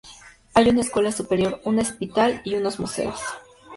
Hay una escuela superior, un hospital y algunos museos.